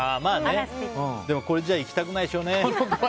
でも、これじゃあ行きたくないでしょうね。